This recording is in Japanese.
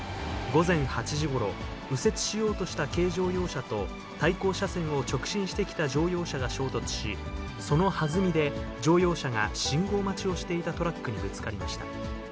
午前８時ごろ、右折しようとした軽乗用車と、対向車線を直進してきた乗用車が衝突し、そのはずみで、乗用車が信号待ちをしていたトラックにぶつかりました。